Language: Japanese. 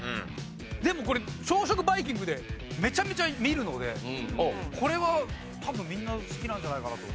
でもこれ朝食バイキングでめちゃめちゃ見るのでこれは多分みんな好きなんじゃないかなと。